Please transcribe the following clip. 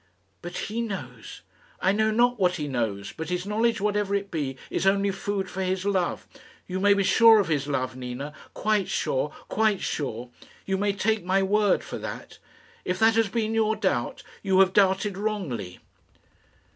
"But he knows." "I know not what he knows, but his knowledge, whatever it be, is only food for his love. You may be sure of his love, Nina quite sure, quite sure. You may take my word for that. If that has been your doubt, you have doubted wrongly."